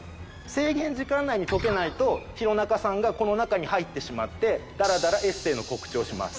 制限時間内に解けないと弘中さんがこの中に入ってしまってダラダラエッセイの告知をします。